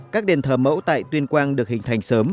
các đền thờ mẫu tại tuyên quang được hình thành sớm